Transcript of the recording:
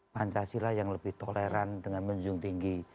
pancasila yang lebih toleran dengan menjunjung tinggi